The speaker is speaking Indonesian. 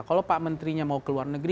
kalau pak menterinya mau ke luar negeri